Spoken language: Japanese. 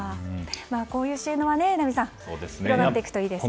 こういう支援は榎並さん広がっていくといいですね。